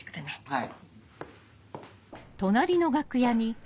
はい。